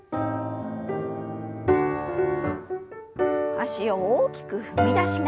脚を大きく踏み出しながら。